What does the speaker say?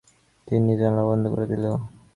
তিন্নি জানালা বন্ধ করে দিল।